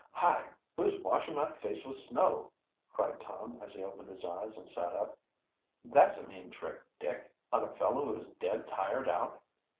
"Hi! who's washing my face with snow?" cried Tom, as he opened his eyes and sat up. "That's a mean trick, Dick, on a fellow who is dead tired out."